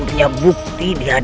apa yang dilakukan